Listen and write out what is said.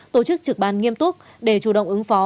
tổ chức trực ban nghiêm túc để chủ động ứng phó